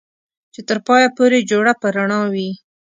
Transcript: چې تر پايه پورې جوړه په رڼا وي